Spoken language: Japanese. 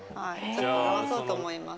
直そうと思います。